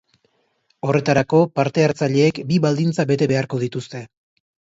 Horretarako, parte-hartzaileek bi baldintza bete beharko dituzte.